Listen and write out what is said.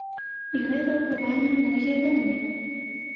І гэта ўплывае на многія дамы.